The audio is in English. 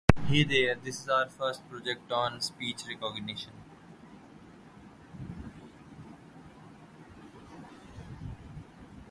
"Arctic" was built by National Steel and Shipbuilding Company in San Diego, California.